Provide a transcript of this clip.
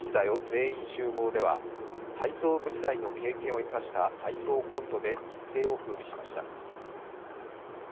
全員集合」では体操部時代の経験を生かした体操コントで一世を風靡しました。